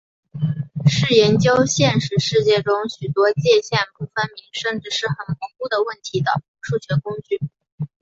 是研究现实世界中许多界限不分明甚至是很模糊的问题的数学工具。